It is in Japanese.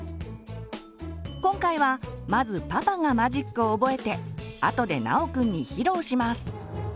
今回はまずパパがマジックを覚えてあとで尚くんに披露します。